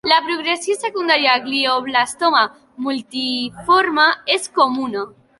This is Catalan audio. La progressió secundària a glioblastoma multiforme és comuna.